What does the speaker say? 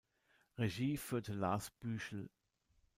Regie führte Lars Büchel.